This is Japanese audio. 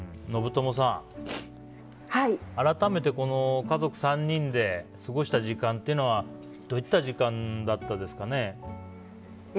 信友さん、改めてこの家族３人で過ごした時間というのはどういった時間だったですかね。